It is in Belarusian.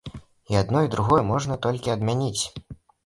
І адно, і другое можна толькі адмяніць.